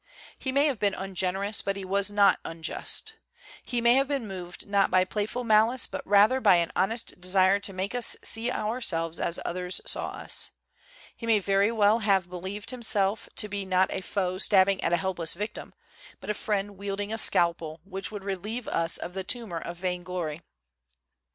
He may have been ungenerous, but he was not unjust. He may have been moved not by playful malice, but rather by an honest desire to make us see ourselves as others saw us. He may very well have believed himself to be not a foe stabbing at a helpless victim, but a friend wielding a scalpel which would relieve us of the tumor of vainglory.